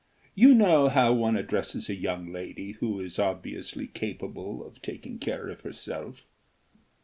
You know how one addresses a young lady who is obviously capable of taking care of herself.